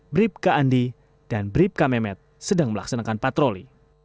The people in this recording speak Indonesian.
bribka andi dan bribka memet sedang melaksanakan patroli